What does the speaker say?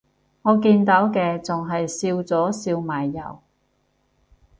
我見到嘅仲係笑咗笑埋右